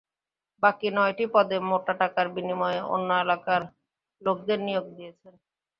বাকি নয়টি পদে মোটা টাকার বিনিময়ে অন্য এলাকার লোকদের নিয়োগ দিয়েছেন।